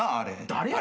誰や？